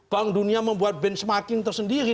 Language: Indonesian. bank dunia membuat benchmarking tersendiri